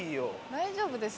大丈夫ですか？